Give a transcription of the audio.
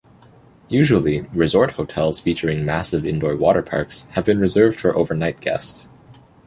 Usually, resort hotels featuring massive indoor water parks have been reserved for overnight guests.